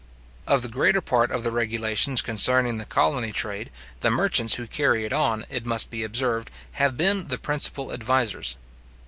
Of the greater part of the regulations concerning the colony trade, the merchants who carry it on, it must be observed, have been the principal advisers.